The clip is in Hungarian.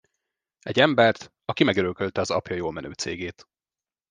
Egy embert, aki megörökölte az apja jól menő cégét.